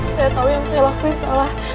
saya tahu yang saya lakuin salah